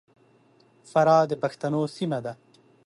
فراه د پښتنو سیمه ده.